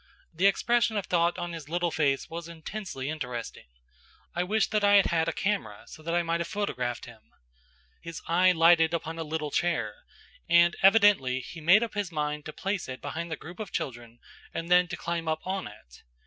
The expression of thought on his little face was intensely interesting. I wish that I had had a camera so that I might have photographed him. His eye lighted upon a little chair, and evidently he made up his mind to place it behind the group of children and then to climb up on it.